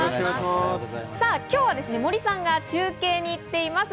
今日は森さんが中継に行っています。